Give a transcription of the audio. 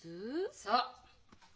そう。